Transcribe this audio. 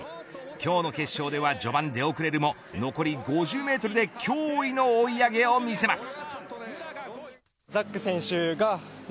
今日の決勝では序盤で遅れるも残り５０メートルで驚異の追い上げを見せます。